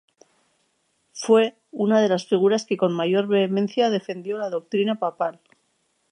Fue una de las figuras que con mayor vehemencia defendió la doctrina papal.